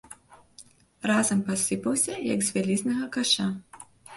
Разам пасыпаўся, як з вялізнага каша.